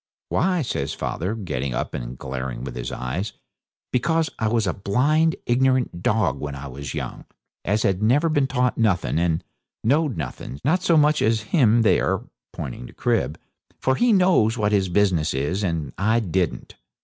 'Why?' says father, getting up and glaring with his eyes, 'because I was a blind, ignorant dog when I was young, as had never been taught nothing, and knowed nothing, not so much as him there' (pointing to Crib), 'for he knows what his business is, and I didn't.